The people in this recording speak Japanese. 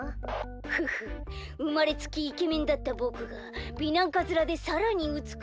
ふふうまれつきイケメンだったぼくが美男カズラでさらにうつくしくなるなんて。